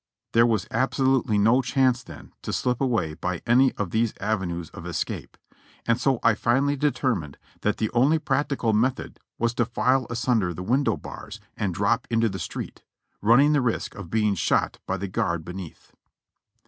There was absolutely no chance then to slip away by any of these avenues of escape, and so I finally determined that the only practical method was to file asunder the window bars and drop into the street, running the risk of being shot by the guard be neath.